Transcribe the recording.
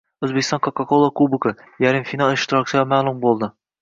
O‘zbekiston Coca-Cola kubogi. Yarim final ishtirokchilari ma’lum bo‘lding